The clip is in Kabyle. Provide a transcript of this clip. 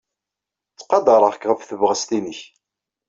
Ttqadareɣ-k ɣef tebɣest-nnek.